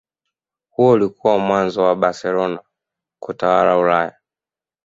Huo ulikuwa mwanzo wa Barcelona kutawala Ulaya